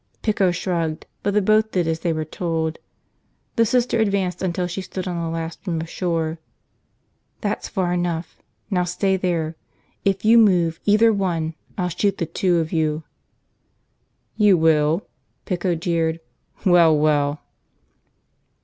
Pico shrugged, but they both did as they were told. The Sister advanced until she stood on the last rim of shore. "That's far enough. Now stay there. If you move, either one, I'll shoot the two of you." "You will?" Pico jeered. "Well, well!"